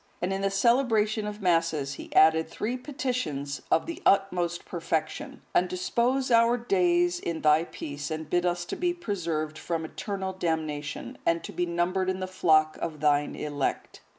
And in the celebration of Masses, he added three petitions of the utmost perfection: "And dispose our days in thy peace, and bid us to be preserved from eternal damnation, and to be numbered in the flock of thine elect."